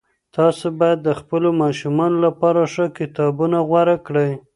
تاسو بايد د خپلو ماشومانو لپاره ښه کتابونه غوره کړئ.